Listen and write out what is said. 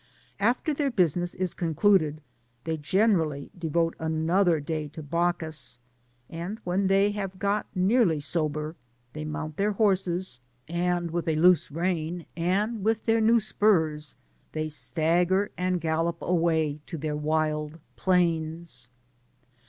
After their business is concluded, they generally devote andther day to Bacdius^ and when they have got nearly sober, they mount their horses, and with a loose rein, and with their new spurs, they stagger and gallop away to their wild plains.